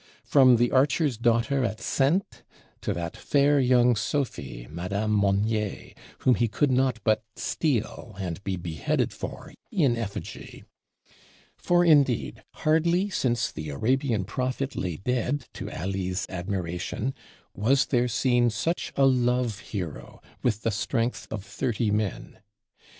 From the Archer's Daughter at Saintes to that fair young Sophie, Madame Monnier, whom he could not but "steal" and be beheaded for in effigy! For indeed, hardly since the Arabian Prophet lay dead, to Ali's admiration, was there seen such a Love hero, with the strength of thirty men.